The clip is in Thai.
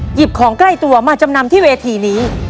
หยิบของใกล้ตัวมาจำนำที่เวทีนี้